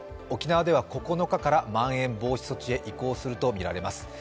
沖縄では９日からまん延防止措置へ移行するとみられます。